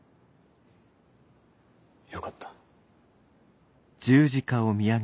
よかった。